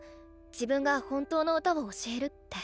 自分が本当の歌を教えるって。